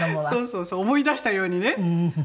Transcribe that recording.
そうそう思い出したようにね。